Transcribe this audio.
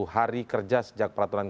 tiga puluh hari kerja sejak peraturan